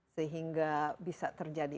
sehingga bisa terjadi